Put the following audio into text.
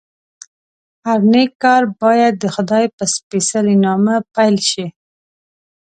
هر نېک کار باید دخدای په سپېڅلي نامه پیل شي.